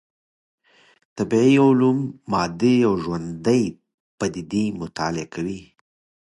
طبيعي علوم مادي او ژوندۍ پديدې مطالعه کوي.